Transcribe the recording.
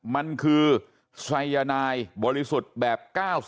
มันคือไซยานายบริสุทธิ์แบบ๙๐